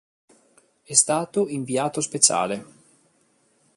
È stato inviato speciale.